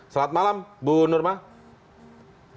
selamat malam bu nurmawati